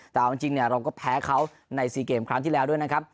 แต่เอาจริงเราก็แพ้เขาใน๔เกมครั้งที่แล้วด้วยนะครับ